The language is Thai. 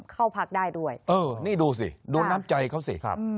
เข้าพักได้ด้วยเออนี่ดูสิดูน้ำใจเขาสิครับ